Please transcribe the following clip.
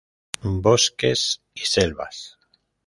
Bosques y Selvas.